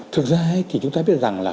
thực ra thì chúng ta biết rằng là